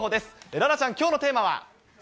楽々ちゃん、きょうのテーマは。